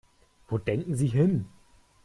Wo denken Sie hin?